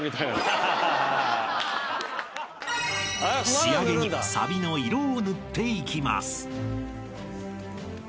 ［仕上げにさびの色を塗っていきます］